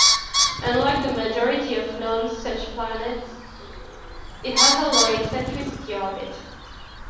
Unlike the majority of known such planets, it has a low-eccentricity orbit.